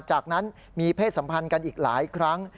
จากนั้นมีเพศสัมพันธ์กันอีกหลายครั้ง